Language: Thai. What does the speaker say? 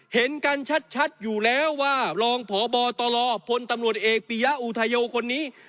เห็นกันชัดอยู่แล้วว่ารองพบตลพลตำรวจเอกปียะอุทัยโยคนนี้